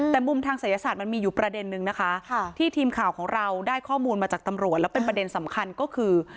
แต่มุมทางศัยศาสตร์มันมีอยู่ประเด็นนึงนะคะที่ทีมข่าวของเราได้ข้อมูลมาจากตำรวจแล้วเป็นประเด็นสำคัญก็คือ